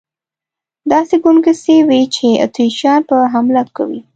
داسې ګنګوسې وې چې اتریشیان به حمله کوي.